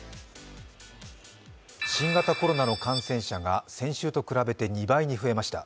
新型コロナの感染者が先週と比べて２倍に増えました。